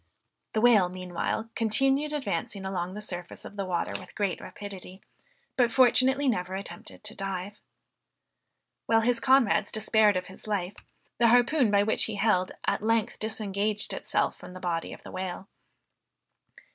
The whale, meanwhile, continued advancing along the surface of the water with great rapidity, but fortunately never attempted to dive. While his comrades despaired of his life, the harpoon by which he held, at length disengaged itself from the body of the whale.